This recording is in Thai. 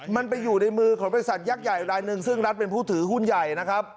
มันไปอยู่ในมือของบริษัทยักษ์ใหญ่รายหนึ่งซึ่งรัฐเป็นผู้ถือหุ้นใหญ่นะครับ